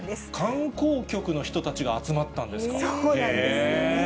観光局の人たちが集まったんそうなんですよね。